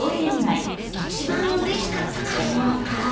一番うれしかった買い物か。